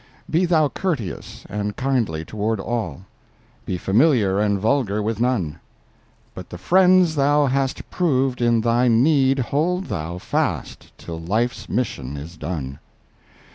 Be thou courteous and kindly toward all— Be familiar and vulgar with none; But the friends thou hast proved in thy need Hold thou fast till life's mission is done!